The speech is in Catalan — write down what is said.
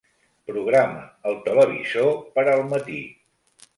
Programa el televisor per al matí.